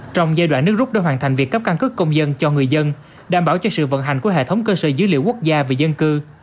trong giai đoạn nước rút để hoàn thành việc cấp căn cước công dân cho người dân đảm bảo cho sự vận hành của hệ thống cơ sở dữ liệu quốc gia về dân cư